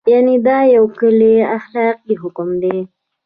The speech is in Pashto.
یعنې دا یو کلی اخلاقي حکم دی.